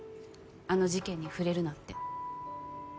あの事件に触れるなって。